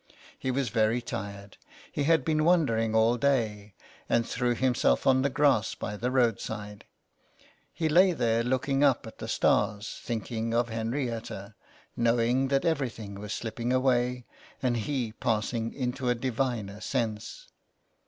He was very tired, he had been wandering all day, and threw himself on the grass by the road side. He lay 267 THE CLERK'S QUEST. there looking up at the stars, thinking of Henrietta, knowing that everything was slipping away, and he passing into a diviner sense.